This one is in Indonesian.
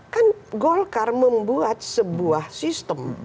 kan golkar membuat sebuah sistem